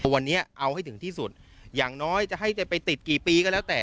วันนี้เอาให้ถึงที่สุดอย่างน้อยจะให้จะไปติดกี่ปีก็แล้วแต่